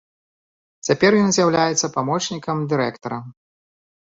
Цяпер ён з'яўляецца памочнікам дырэктара.